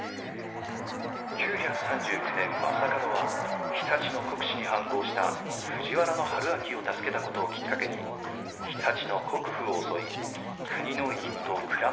９３９年将門は常陸の国司に反抗した藤原玄明を助けたことをきっかけに常陸の国府を襲い国の印と蔵の鍵を奪います。